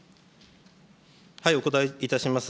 お答えいたします。